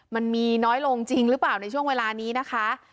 มันมีน้อยลงจริงหรือเปล่าในช่วงเวลานี้นะคะ